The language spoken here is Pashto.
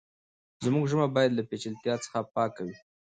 زموږ ژبه بايد له پېچلتيا څخه پاکه وي.